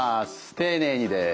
丁寧にです。